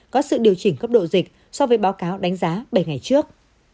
có sự điều chỉnh cấp độ dịch so với báo cáo đánh giá bảy ngày trước